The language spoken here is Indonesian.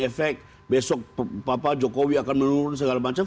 efek besok papa jokowi akan menurun segala macam